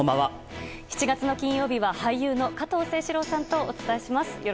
７月の金曜日は、俳優の加藤清史郎さんとお伝えします。